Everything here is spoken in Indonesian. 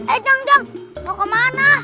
eh jang jang mau ke mana